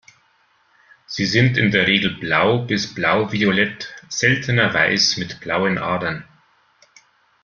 Sie sind in der Regel blau bis blauviolett, seltener weiß mit blauen Adern.